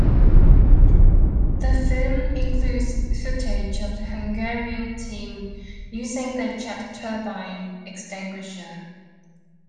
The film includes footage of the Hungarian team using their jet turbine extinguisher.